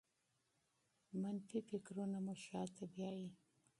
منفي فکرونه مو شاته بیايي.